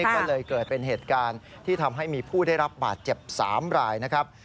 ก็เลยเกิดเป็นเหตุการณ์ที่ทำให้มีผู้ได้รับบาดเจ็บ๓รายนะครับ